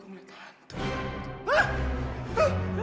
gua ngeliat hantu